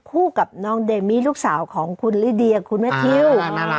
กับน้องเดมี่ลูกสาวของคุณลิเดียคุณแมททิว